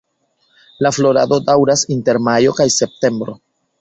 La florado daŭras inter majo kaj septembro.